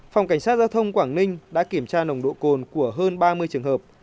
phòng cảnh sát giao thông quảng ninh đã kiểm tra nồng độ cồn của hơn ba mươi trường hợp